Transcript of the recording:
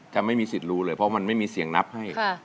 ไม่มีสิทธิ์รู้เลยเพราะมันไม่มีเสียงนับให้